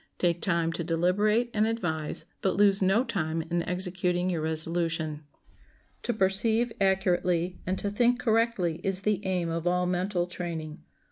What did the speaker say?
Take time to deliberate and advise, but lose no time in executing your resolution. To perceive accurately and to think correctly is the aim of all mental training.